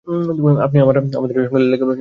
আপনি আবার সমাদরে লেগে পরেছেন, বসেন!